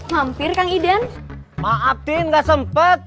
gak ada doi enggak